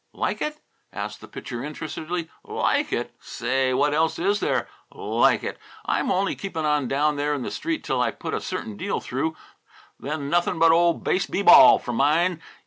"Like it?" asked the Pitcher, interestedly. "Like it! Say, what else is there? Like it! I'm only keeping on down there in the Street till I put a certain deal through; then nothing but old Base B. Ball for mine!